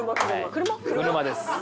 車です。